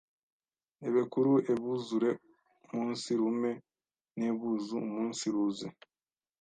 ebekuru ebuzure munsirume n’ebuzu umunsiruze.